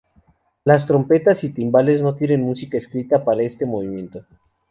Las trompetas y timbales no tienen música escrita para este movimiento.